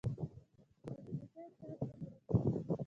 مچمچۍ شات ذخیره کوي